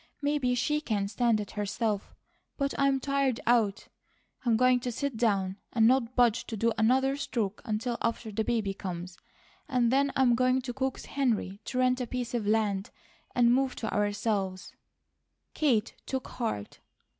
Maybe she can stand it herself, but I'm tired out. I'm going to sit down, and not budge to do another stroke until after the baby comes, and then I am going to coax Henry to rent a piece of land, and move to ourselves." Kate took heart.